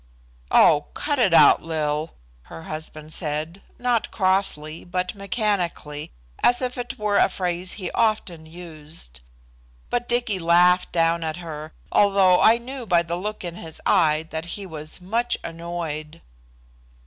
"Oh, cut it out, Lil," her husband said, not crossly, but mechanically, as if it were a phrase he often used. But Dicky laughed down at her, although I knew by the look in his eyes that he was much annoyed.